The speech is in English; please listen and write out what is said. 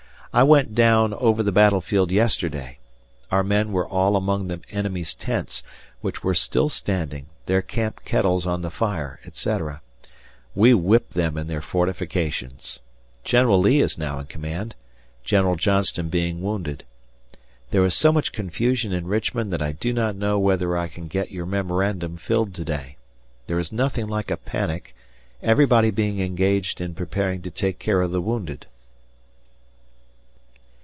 I went down over the battlefield yesterday. Our men were all among the enemy's tents, which were still standing, their camp kettles on the fire, etc. We whipped them in their fortifications. ... General Lee is now in command, General Johnston being wounded. ... There is so much confusion in Richmond that I do not know whether I can get your memorandum filled to day. There is nothing like a panic, everybody being engaged in preparing to take care of the wounded.